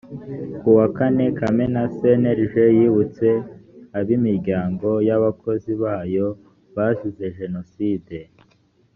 ku wa kane kamena cnlg yibutse ab’ imiryango y’ abakozi bayo bazize jenoside